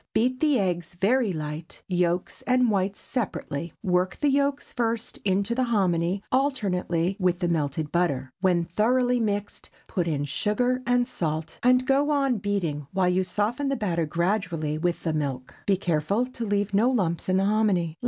Beat the eggs very light, yolks and whites separately. Work the yolks first into the hominy, alternately with the melted butter. When thoroughly mixed, put in sugar and salt, and go on beating while you soften the batter gradually with the milk. Be careful to leave no lumps in the hominy.